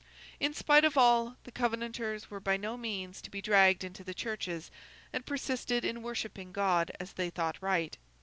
In spite of all, the Covenanters were by no means to be dragged into the churches, and persisted in worshipping God as they thought right.